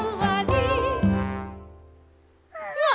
うわ！